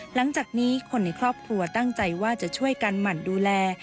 หลังจากนี้คนในครอบครัวตั้งใจว่าจะช่วยกันหมั่นดูแล